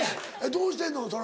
どうしてんの？